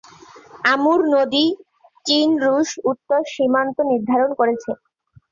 আমুর নদী চীন-রুশ উত্তর সীমান্ত নির্ধারণ করেছে।